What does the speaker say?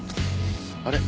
あれ？